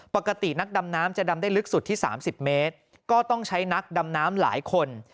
ปกตินักดำน้ำจะดำได้ลึกสุดที่๓๐เมตรก็ต้องใช้นักดำน้ำหลายคน